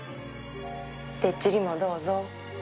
てっちりもどうぞ。